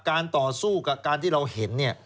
ต่อสู้กับการที่เราเห็นเนี่ย